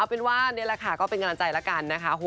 เป็นว่านี่แหละค่ะก็เป็นกำลังใจแล้วกันนะคะ